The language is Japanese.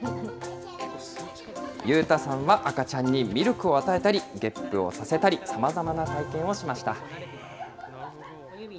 ゆうたさんは赤ちゃんにミルクを与えたり、げっぷをさせたり、さまざまな体験をしました。